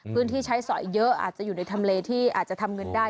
พื้นที่ใช้สอยเยอะอาจจะอยู่ในทำเลที่อาจจะทำเงินได้